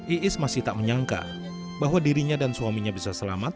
iis masih tak menyangka bahwa dirinya dan suaminya bisa selamat